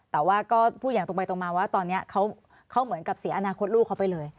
แต่ว่าก็พูดอย่างตรงไปตรงมาว่าตอนนี้เขาเหมือนกับเสียอนาคตลูกเขาไปเลย